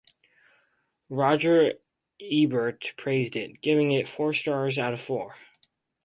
Roger Ebert praised it, giving it four stars out of four.